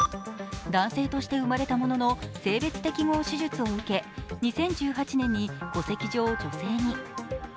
男性として生まれたものの、性別適合手術を受け２０１８年に戸籍上、女性に。